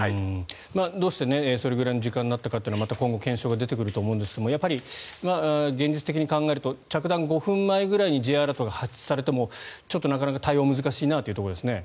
どうしてそれぐらいの時間になったかというのはまた今後検証が出てくると思うんですが現実的に考えると着弾５分くらい前にＪアラートが発出されてもちょっとなかなか対応が難しいなというところですね。